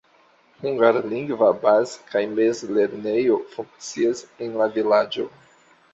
Hungarlingva baz- kaj mezlernejo funkcias en la vilaĝo.